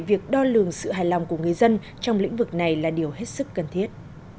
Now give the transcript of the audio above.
việc đo lường sự hài lòng của người dân trong lĩnh vực này là điều hết sức cần thiết